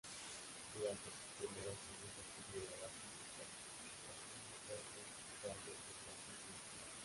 Durante sus primeros años de actividad artística compagina teatro, radio, doblaje y publicidad.